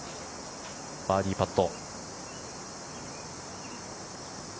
バーディーパット。